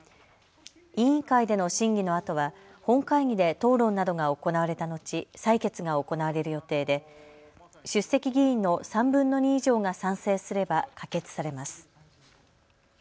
委員会での審議のあとは本会議で討論などが行われた後、採決が行われる予定で出席議員の３分の２以上が賛成すれば可決されます。